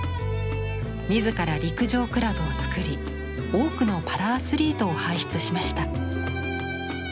自ら陸上クラブを作り多くのパラアスリートを輩出しました。